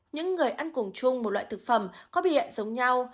những người ăn cùng chung một loại thực phẩm có biểu hiện giống nhau